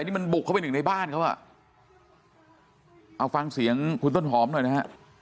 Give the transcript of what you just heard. นี่มันบุกเข้าไปหนึ่งในบ้านเขาอ่ะเอาฟังเสียงคุณต้นหอมหน่อยนะฮะ